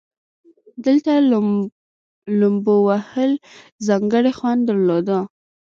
دلته لومبو وهل ځانګړى خوند درلودو.